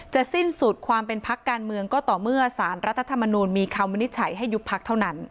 สิ้นสุดความเป็นพักการเมืองก็ต่อเมื่อสารรัฐธรรมนูลมีคำวินิจฉัยให้ยุบพักเท่านั้น